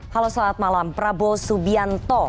halo selamat malam prabowo subianto